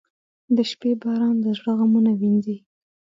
• د شپې باران د زړه غمونه وینځي.